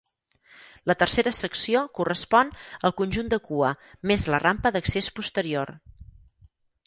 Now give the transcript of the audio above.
La tercera secció correspon al conjunt de cua més la rampa d'accés posterior.